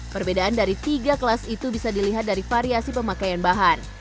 perbedaan dari tiga kelas itu bisa dilihat dari variasi pemakaian bahan